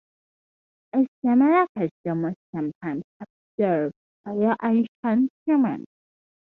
A similar custom was sometimes observed by the ancient Germans.